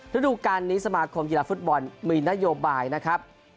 ฤดูการนี้สมาคมกีฬาฟุตบอลมีนโยบายนะครับ